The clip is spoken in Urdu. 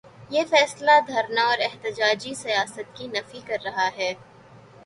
یہ فیصلہ دھرنا اور احتجاجی سیاست کی نفی کر رہا ہے۔